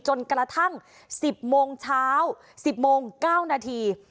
จนกระทั่ง๑๐โมงเช้า๑๐โมง๙นาที